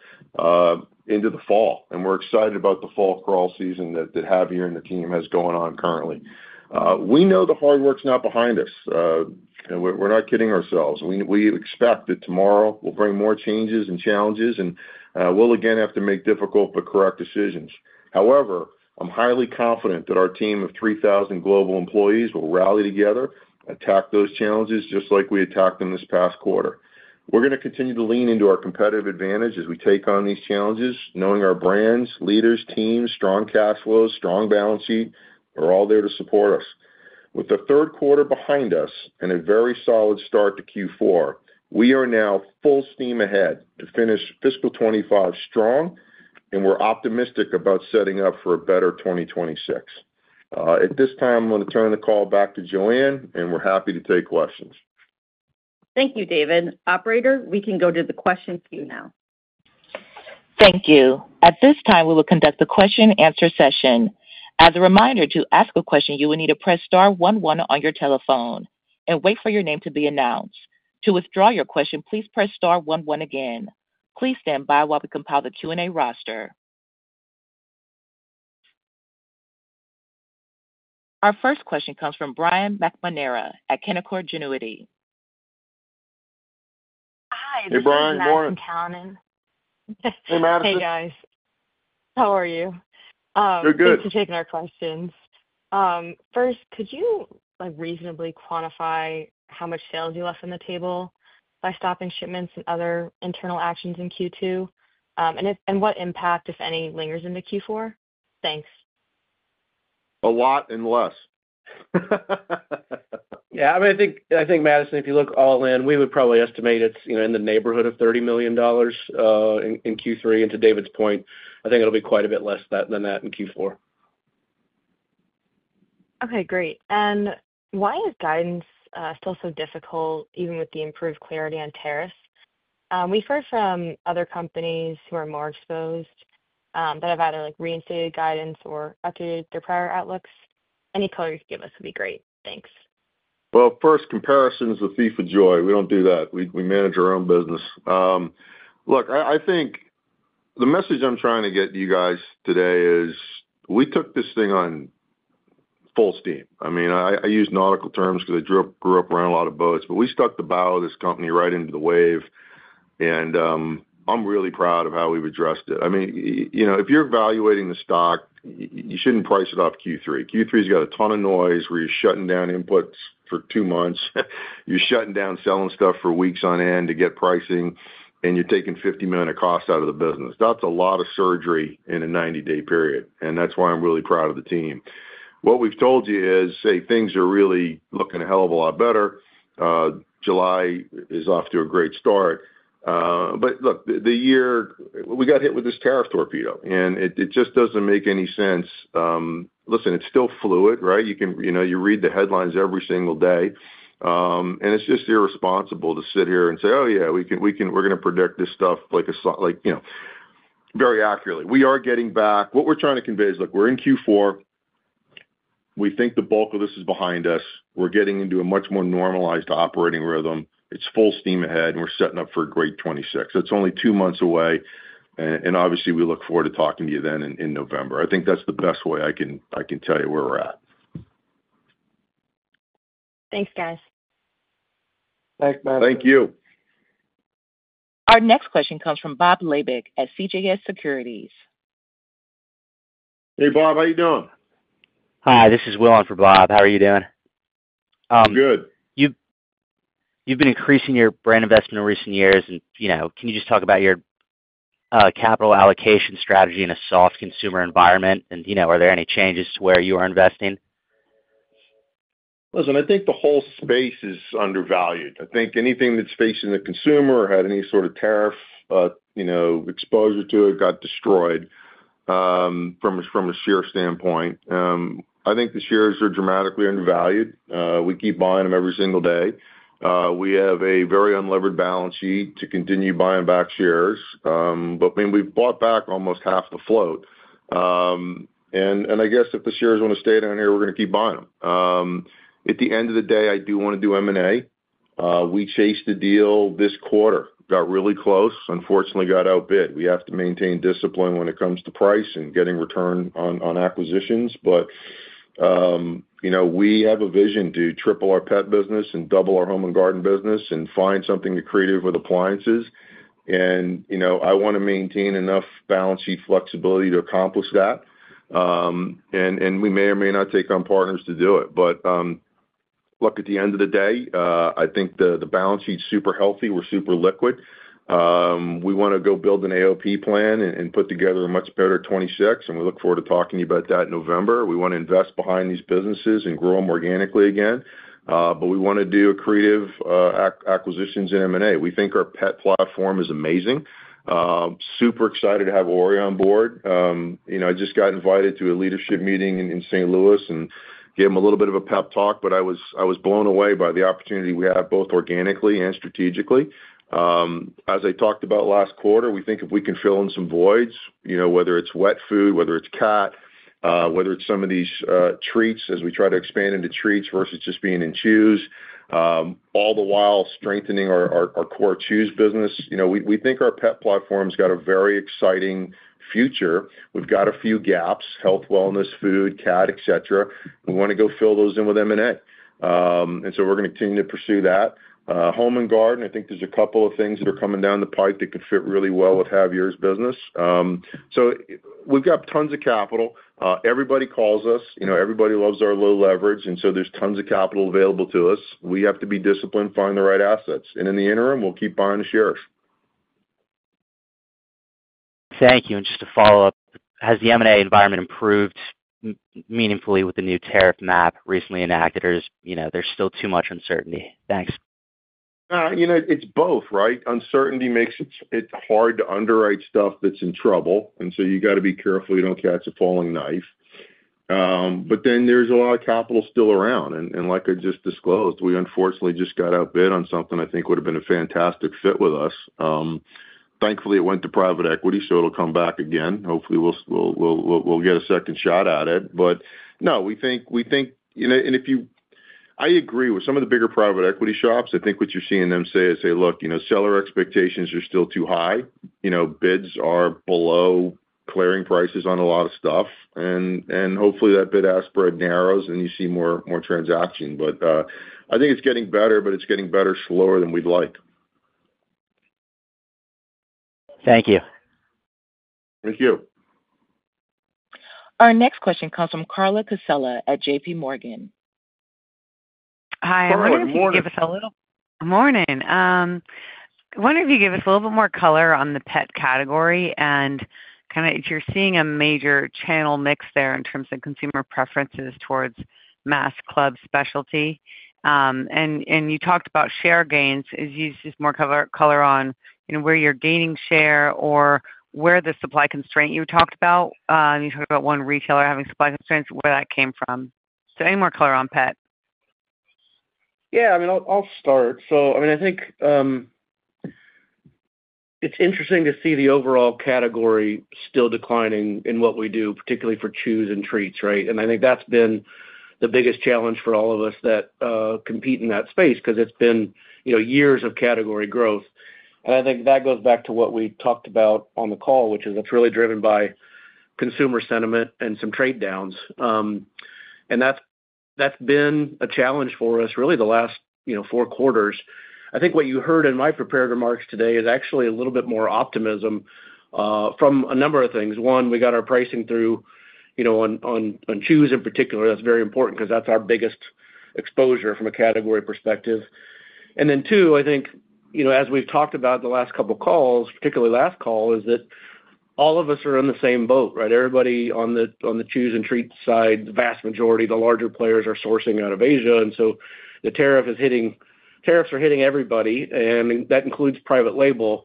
into the fall, and we're excited about the fall crawl season that Javier and the team have going on currently. We know the hard work's not behind us, and we're not kidding ourselves. We expect that tomorrow will bring more changes and challenges, and we'll again have to make difficult but correct decisions. However, I'm highly confident that our team of 3,000 global employees will rally together, attack those challenges just like we attacked them this past quarter. We're going to continue to lean into our competitive advantage as we take on these challenges, knowing our brands, leaders, teams, strong cash flows, and strong balance sheet are all there to support us. With the third quarter behind us and a very solid start to Q4, we are now full steam ahead to finish fiscal 2025 strong, and we're optimistic about setting up for a better 2026. At this time, I'm going to turn the call back to Joanne, and we're happy to take questions. Thank you, David. Operator, we can go to the question queue now. Thank you. At this time, we will conduct the question and answer session. As a reminder, to ask a question, you will need to press star one one on your telephone and wait for your name to be announced. To withdraw your question, please press star one one again. Please stand by while we compile the Q&A roster. Our first question comes from Brian McNamara at Canaccord Genuity. Hi, this is Madison Callinan. Hey, Brian. Good morning. Hey, Madison. Hey, guys. How are you? We're good. Thanks for taking our questions. First, could you reasonably quantify how much sales you left on the table by stopping shipments and other internal actions in Q2? What impact, if any, lingers into Q4? Thanks. A lot and less. Yeah. I mean, I think, Madison, if you look all in, we would probably estimate it's in the neighborhood of $30 million in Q3. To David's point, I think it'll be quite a bit less than that in Q4. Great. Why is guidance still so difficult, even with the improved clarity on tariffs? We've heard from other companies who are more exposed that have either reinstated guidance or updated their prior outlooks. Any color you could give us would be great. Thanks. First, comparisons with FIFA Joy. We don't do that. We manage our own business. Look, I think the message I'm trying to get to you guys today is we took this thing on full steam. I use nautical terms because I grew up around a lot of boats, but we stuck the bow of this company right into the wave, and I'm really proud of how we've addressed it. If you're evaluating the stock, you shouldn't price it off Q3. Q3 has got a ton of noise where you're shutting down inputs for two months. You're shutting down selling stuff for weeks on end to get pricing, and you're taking $50 million of costs out of the business. That's a lot of surgery in a 90-day period, and that's why I'm really proud of the team. What we've told you is, hey, things are really looking a hell of a lot better. July is off to a great start. The year we got hit with this tariff torpedo, and it just doesn't make any sense. Listen, it's still fluid, right? You can read the headlines every single day, and it's just irresponsible to sit here and say, "Oh, yeah, we can, we can, we're going to predict this stuff like a, like, you know, very accurately." We are getting back. What we're trying to convey is, look, we're in Q4. We think the bulk of this is behind us. We're getting into a much more normalized operating rhythm. It's full steam ahead, and we're setting up for a great 2026. That's only two months away, and obviously, we look forward to talking to you then in November. I think that's the best way I can tell you where we're at. Thanks, guys. Thanks, Mad. Thank you. Our next question comes from Bob Labick at CJS Securities. Hey, Bob. How are you doing? Hi, this is Will on for Bob. How are you doing? I'm good. You've been increasing your brand investment in recent years. Can you just talk about your capital allocation strategy in a soft consumer environment? Are there any changes to where you are investing? Listen, I think the whole space is undervalued. I think anything that's facing the consumer or had any sort of tariff exposure to it got destroyed from a share standpoint. I think the shares are dramatically undervalued. We keep buying them every single day. We have a very unlevered balance sheet to continue buying back shares, but we've bought back almost half the float, and I guess if the shares want to stay down here, we're going to keep buying them. At the end of the day, I do want to do M&A. We chased a deal this quarter, got really close, unfortunately, got outbid. We have to maintain discipline when it comes to price and getting return on acquisitions, but we have a vision to triple our Pet business and double our Home & Garden business and find something to create with small kitchen appliances, and I want to maintain enough balance sheet flexibility to accomplish that. We may or may not take on partners to do it, but look, at the end of the day, I think the balance sheet's super healthy. We're super liquid. We want to go build an AOP plan and put together a much better 2026, and we look forward to talking to you about that in November. We want to invest behind these businesses and grow them organically again, but we want to do creative acquisitions in M&A. We think our pet platform is amazing. Super excited to have Ori on board. I just got invited to a leadership meeting in St. Louis and gave him a little bit of a pep talk, but I was blown away by the opportunity we have both organically and strategically. As I talked about last quarter, we think if we can fill in some voids, whether it's wet food, whether it's cat, whether it's some of these treats as we try to expand into treats versus just being in chews, all the while strengthening our core chews business. We think our pet platform's got a very exciting future. We've got a few gaps: health, wellness, food, cat, etc. We want to go fill those in with M&A, and we're going to continue to pursue that. Home & Garden, I think there's a couple of things that are coming down the pike that could fit really well with Javier's business. We've got tons of capital. Everybody calls us. Everybody loves our low leverage, and there's tons of capital available to us. We have to be disciplined, find the right assets, and in the interim, we'll keep buying the shares. Thank you. Just to follow up, has the M&A environment improved meaningfully with the new tariff map recently enacted, or is there still too much uncertainty? Thanks. You know, it's both, right? Uncertainty makes it hard to underwrite stuff that's in trouble, and you got to be careful you don't catch a falling knife. There is a lot of capital still around, and like I just disclosed, we unfortunately just got outbid on something I think would have been a fantastic fit with us. Thankfully, it went to private equity, so it'll come back again. Hopefully, we'll get a second shot at it. We think, you know, and if you, I agree with some of the bigger private equity shops. I think what you're seeing them say is, "Hey, look, you know, seller expectations are still too high. Bids are below clearing prices on a lot of stuff," and hopefully that bid aspirate narrows and you see more transaction. I think it's getting better, but it's getting better slower than we'd like. Thank you. Thank you. Our next question comes from Carla Casella at JPMorgan. Hi, I wanted you to give us a little. Good morning. Good morning. I wonder if you'd give us a little bit more color on the pet category and if you're seeing a major channel mix there in terms of consumer preferences towards mass, club, specialty. You talked about share gains. Is this more color on where you're gaining share or where the supply constraint you talked about came from? You talked about one retailer having supply constraints, where that came from. Any more color on pet? Yeah. I'll start. I think it's interesting to see the overall category still declining in what we do, particularly for chews and treats, right? I think that's been the biggest challenge for all of us that compete in that space because it's been years of category growth. I think that goes back to what we talked about on the call, which is it's really driven by consumer sentiment and some trade downs, and that's been a challenge for us really the last four quarters. I think what you heard in my prepared remarks today is actually a little bit more optimism from a number of things. One, we got our pricing through on chews in particular. That's very important because that's our biggest exposure from a category perspective. Two, I think, as we've talked about the last couple of calls, particularly last call, all of us are in the same boat, right? Everybody on the chews and treats side, the vast majority, the larger players are sourcing out of Asia, and the tariffs are hitting everybody, and that includes private label.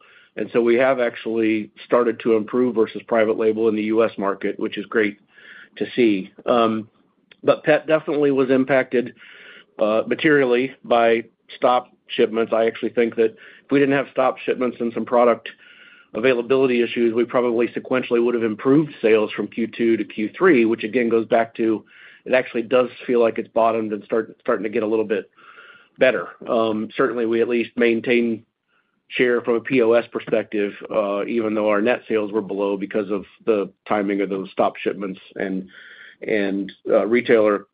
We have actually started to improve versus private label in the U.S. market, which is great to see. Pet definitely was impacted materially by stop shipments. I actually think that if we didn't have stop shipments and some product availability issues, we probably sequentially would have improved sales from Q2 to Q3, which again goes back to it actually does feel like it's bottomed and starting to get a little bit better. Certainly, we at least maintain share from a POS perspective, even though our net sales were below because of the timing of those stop shipments and retailer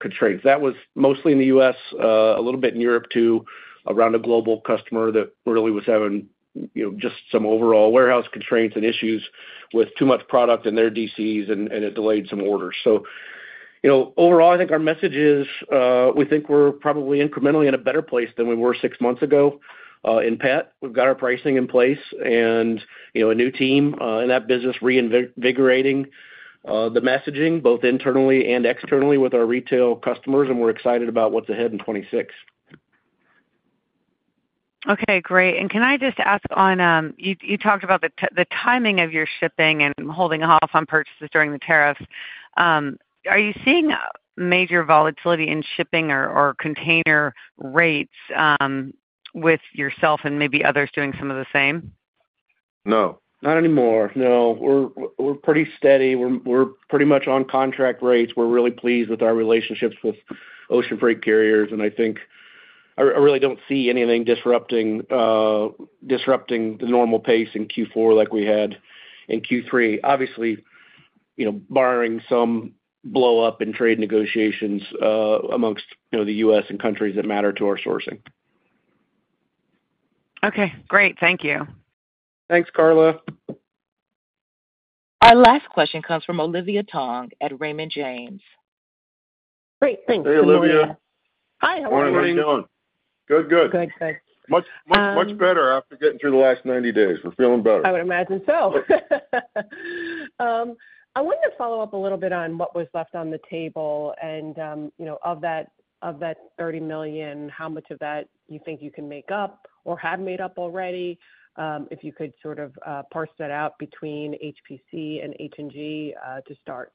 constraints. That was mostly in the U.S., a little bit in Europe too, around a global customer that really was having just some overall warehouse constraints and issues with too much product in their DCs, and it delayed some orders. Overall, I think our message is we think we're probably incrementally in a better place than we were six months ago in pet. We've got our pricing in place and a new team in that business reinvigorating the messaging both internally and externally with our retail customers, and we're excited about what's ahead in 2026. Okay. Great. Can I just ask, you talked about the timing of your shipping and holding off on purchases during the tariffs. Are you seeing major volatility in shipping or container rates with yourself and maybe others doing some of the same? No. Not anymore. No. We're pretty steady. We're pretty much on contract rates. We're really pleased with our relationships with ocean freight carriers, and I think I really don't see anything disrupting the normal pace in Q4 like we had in Q3, obviously, barring some blow-up in trade negotiations amongst the U.S. and countries that matter to our sourcing. Okay. Great. Thank you. Thanks, Carla. Our last question comes from Olivia Tong at Raymond James. Great. Thanks. Hey, Olivia. Hi. Morning. How are you doing? Good. Good. Good. Much, much, much better after getting through the last 90 days. We're feeling better. I would imagine so. I wanted to follow up a little bit on what was left on the table and, you know, of that $30 million, how much of that you think you can make up or have made up already, if you could sort of parse that out between HPC and H&G to start.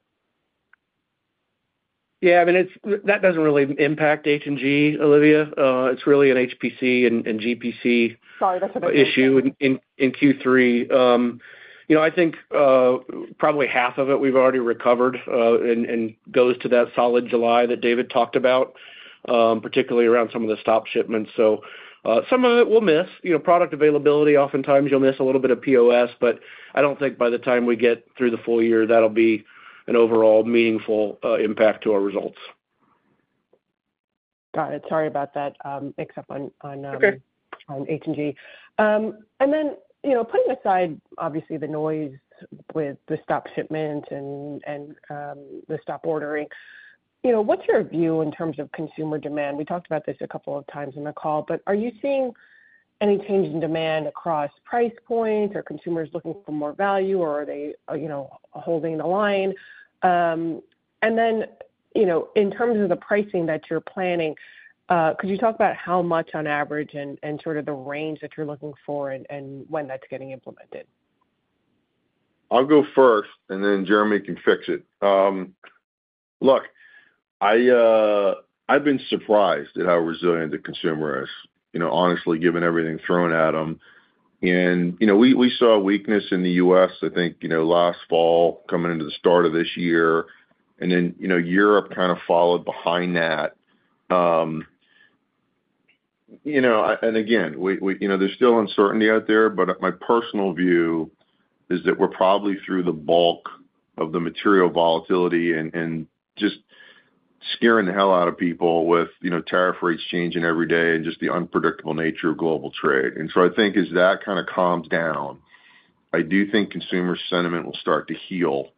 Yeah, I mean, that doesn't really impact H&G, Olivia. It's really in HPC and GPC. Sorry, that's what I said. Issue in Q3. I think probably half of it we've already recovered and goes to that solid July that David talked about, particularly around some of the stop shipments. Some of it we'll miss. Product availability, oftentimes you'll miss a little bit of POS, but I don't think by the time we get through the full year, that'll be an overall meaningful impact to our results. Got it. Sorry about that, except on. It's okay. H&G. Putting aside, obviously, the noise with the stop shipment and the stop ordering, what's your view in terms of consumer demand? We talked about this a couple of times in the call, but are you seeing any change in demand across price points or consumers looking for more value, or are they holding the line? In terms of the pricing that you're planning, could you talk about how much on average and the range that you're looking for and when that's getting implemented? I'll go first, and then Jeremy can fix it. Look, I've been surprised at how resilient the consumer is, honestly, given everything thrown at them. We saw a weakness in the U.S., I think last fall coming into the start of this year, and Europe kind of followed behind that. There is still uncertainty out there, but my personal view is that we're probably through the bulk of the material volatility and just scaring the hell out of people with tariff rates changing every day and just the unpredictable nature of global trade. I think as that kind of calms down, I do think consumer sentiment will start to heal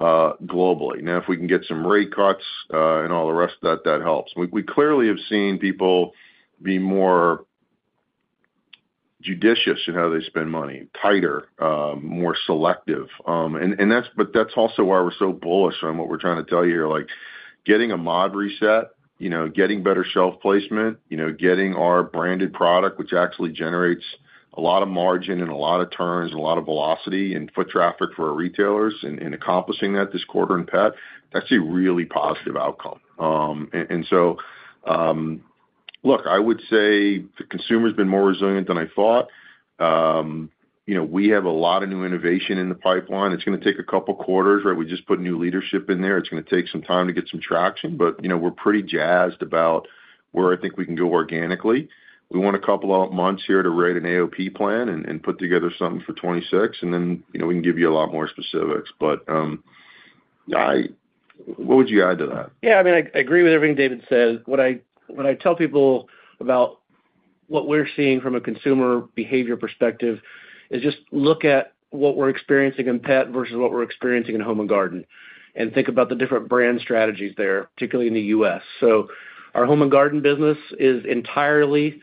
globally. If we can get some rate cuts and all the rest of that, that helps. We clearly have seen people be more judicious in how they spend money, tighter, more selective. That's also why we're so bullish on what we're trying to tell you here, like getting a mod reset, getting better shelf placement, getting our branded product, which actually generates a lot of margin and a lot of turns and a lot of velocity and foot traffic for our retailers in accomplishing that this quarter in pet. That's a really positive outcome. I would say the consumer's been more resilient than I thought. We have a lot of new innovation in the pipeline. It's going to take a couple of quarters, right? We just put new leadership in there. It's going to take some time to get some traction, but we're pretty jazzed about where I think we can go organically. We want a couple of months here to write an AOP plan and put together something for 2026, and then we can give you a lot more specifics. What would you add to that? Yeah. I mean, I agree with everything David says. What I tell people about what we're seeing from a consumer behavior perspective is just look at what we're experiencing in pet versus what we're experiencing in Home & Garden and think about the different brand strategies there, particularly in the U.S. Our Home & Garden business is entirely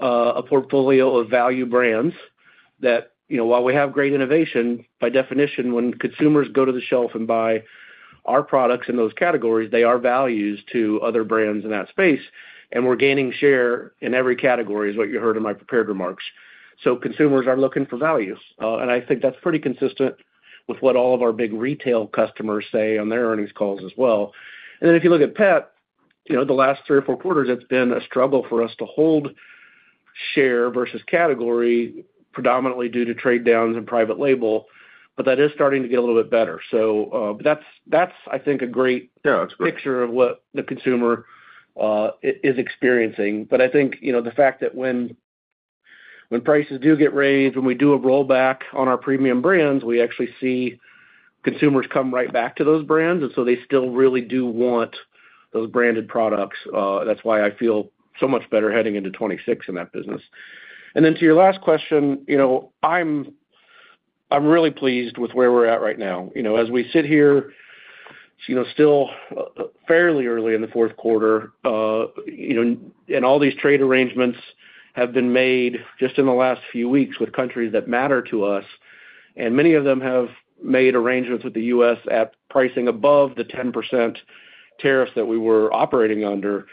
a portfolio of value brands that, you know, while we have great innovation, by definition, when consumers go to the shelf and buy our products in those categories, they are values to other brands in that space, and we're gaining share in every category, is what you heard in my prepared remarks. Consumers are looking for value, and I think that's pretty consistent with what all of our big retail customers say on their earnings calls as well. If you look at pet, you know, the last three or four quarters, it's been a struggle for us to hold share versus category predominantly due to trade downs and private label, but that is starting to get a little bit better. That's, I think, a great picture of what the consumer is experiencing. I think, you know, the fact that when prices do get raised, when we do a rollback on our premium brands, we actually see consumers come right back to those brands, and so they still really do want those branded products. That's why I feel so much better heading into 2026 in that business. To your last question, you know, I'm really pleased with where we're at right now. As we sit here, it's, you know, still fairly early in the fourth quarter, and all these trade arrangements have been made just in the last few weeks with countries that matter to us, and many of them have made arrangements with the U.S. at pricing above the 10% tariffs that we were operating under.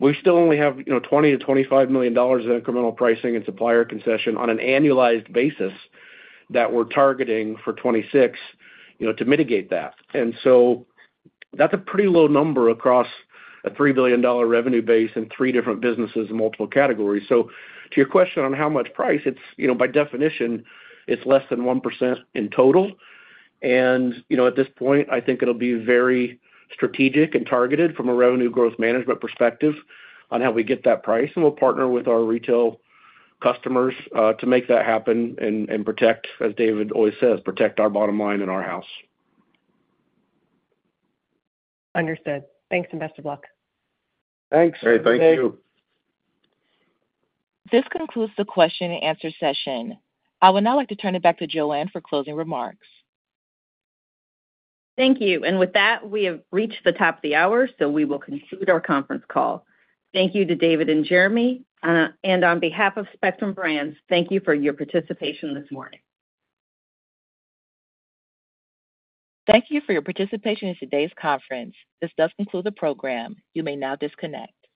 We still only have, you know, $20 million-$25 million in incremental pricing and supplier concession on an annualized basis that we're targeting for 2026, you know, to mitigate that. That's a pretty low number across a $3 billion revenue base in three different businesses in multiple categories. To your question on how much price, it's, you know, by definition, it's less than 1% in total. At this point, I think it'll be very strategic and targeted from a revenue growth management perspective on how we get that price, and we'll partner with our retail customers to make that happen and protect, as David always says, protect our bottom line and our house. Understood. Thanks and best of luck. Thanks. All right. Thank you. This concludes the question and answer session. I would now like to turn it back to Joanne for closing remarks. Thank you. With that, we have reached the top of the hour, so we will conclude our conference call. Thank you to David and Jeremy. On behalf of Spectrum Brands, thank you for your participation this morning. Thank you for your participation in today's conference. This does conclude the program. You may now disconnect.